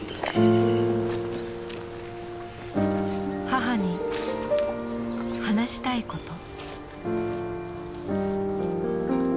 母に話したいこと。